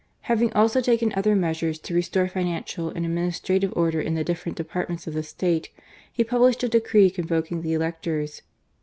Having also taken other measures to restore financial and administra* tive order in the different departments of the State, he published a decree convoking the electors.